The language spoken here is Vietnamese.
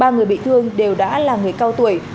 ba người bị thương đều đã là người cao tuổi